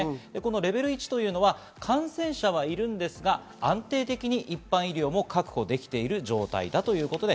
レベル１は感染者はいるんですが、安定的に一般医療も確保できている状態だということです。